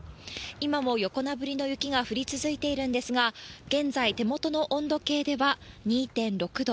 今も横殴りの雪が降り続いているんですが、現在、手元の温度計では２．６度。